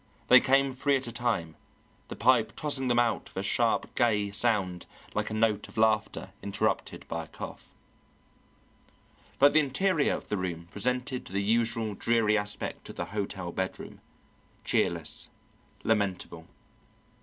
They came three at a time, the pipe tossing them out with a sharp gay sound like a note of laughter interrupted by a cough. But the interior of the room presented the usual dreary aspect of the hotel bedroom cheerless, lamentable.